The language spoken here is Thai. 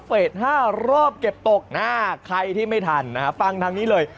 เฟส๕รอบเก็บตกใครที่ไม่ทันนะฮะฟังทางนี้เลย